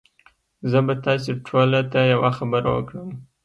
زه به تاسي ټوله ته یوه خبره وکړم